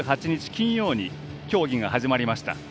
金曜に競技が始まりました。